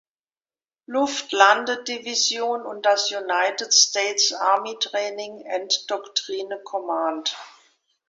Luftlandedivision und das United States Army Training and Doctrine Command.